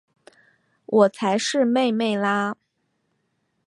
我才是姊姊啦！